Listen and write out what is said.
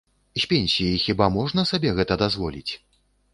З пенсіі хіба можна сабе гэта дазволіць?